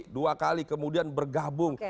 dua kali kemudian bergabung